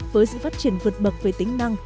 với sự phát triển vượt bậc về tính năng